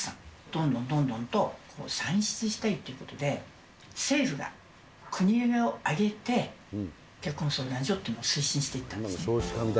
どんどんどんどんと算出したいということで、政府が国を挙げて結婚相談所っていうのを促進していったんですね。